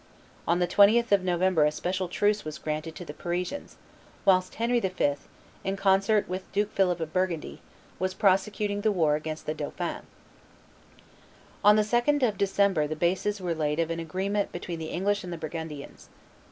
On the 20th of November a special truce was granted to the Parisians, whilst Henry V., in concert with Duke Philip of Burgundy, was prosecuting the war against the dauphin. On the 2d of December the bases were laid of an agreement between the English and the Burgundians.